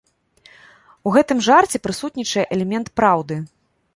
У гэтым жарце прысутнічае элемент праўды.